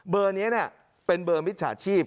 เบอร์นี้เป็นเบอร์มิจฉาชีพ